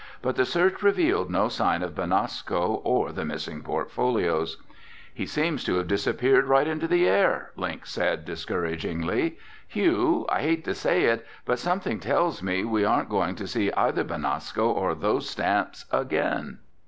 But the search revealed no sign of Benasco or the missing portfolios. "He seems to have disappeared right into the air," Link said discouragingly. "Hugh, I hate to say it, but something tells me we aren't going to see either Benasco or those stamps again."